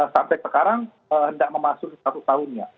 sampai sekarang hendak memasuki satu tahunnya